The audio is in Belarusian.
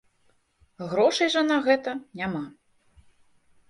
Грошай жа на гэта няма.